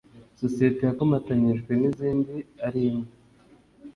sosiyete yakomatanyije izindi ari imwe